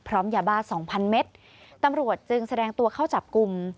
พร้อมยาบ้าสองพันเมตรตำรวจจึงแสดงตัวเข้าจับกลุ่ม